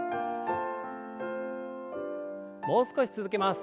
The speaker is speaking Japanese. もう少し続けます。